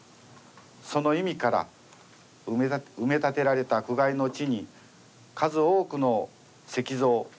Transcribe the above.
その意味から埋立てられた苦海の地に数多くの石像